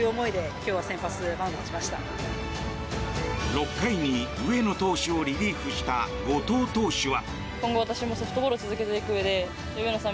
６回に上野投手をリリーフした後藤投手は。